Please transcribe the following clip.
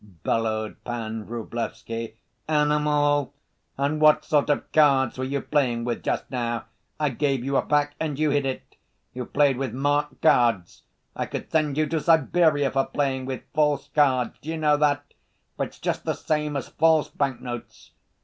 bellowed Pan Vrublevsky. "Animal? And what sort of cards were you playing with just now? I gave you a pack and you hid it. You played with marked cards! I could send you to Siberia for playing with false cards, d'you know that, for it's just the same as false banknotes...."